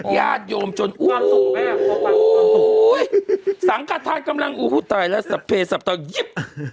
ยาดโยมจนอูอูโหสังฆ์ธาตุกำลังอูฮูตายแล้วสับเพศสับต่อยิบ